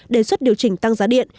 đề xuất điều chỉnh tăng giá điện